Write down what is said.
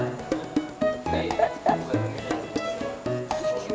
gue masih jatuh jam